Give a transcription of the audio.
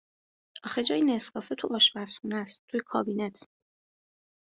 آخه جای نسکافه تو آشپزخونهاس، توی کابینت.